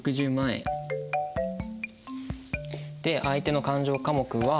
相手の勘定科目は。